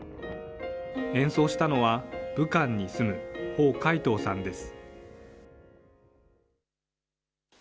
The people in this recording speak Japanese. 演奏したのは武漢に住む、彭海涛さんです。